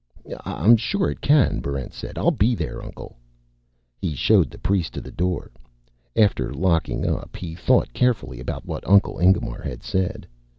"I'm sure it can," Barrent said. "I'll be there, Uncle." He showed the priest to the door. After locking up, he thought carefully about what Uncle Ingemar had said.